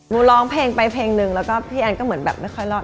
ร้องเพลงไปเพลงนึงแล้วก็พี่แอนก็เหมือนแบบไม่ค่อยรอด